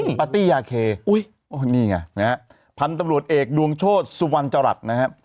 จัดปาร์ตี้ยาเคพันธุ์ตำรวจเอกดวงโชษสุวรรณจรัฐนะครับ